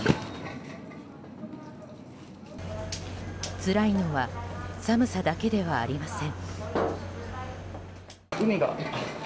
つらいのは寒さだけではありません。